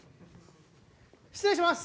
失礼します！